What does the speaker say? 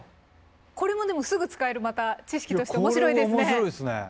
これもでもすぐ使えるまた知識としておもしろいですね。